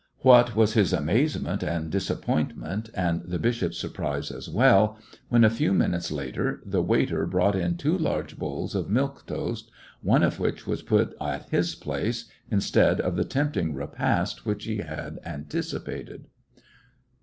"Wliat was his amazement and dis appointmentj and the bishop's surprise as well, when, a few minutes later, the waiter brought in two large bowls of milk toast^ one of which was put at his place, instead of the tempting repast which he had anticipated.